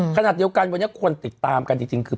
ขณะเดียวกันวันนี้คนติดตามกันจริงคือ